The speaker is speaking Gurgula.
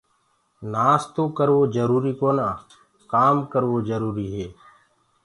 نآستو ڪروو جروُري ڪونآ ڪآم ڪروو جَروُري هي۔